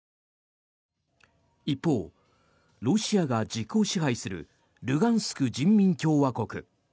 一方、ロシアが実効支配するルガンスク人民共和国。